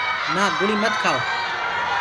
نآ گُݪيٚ مت کهآوو۔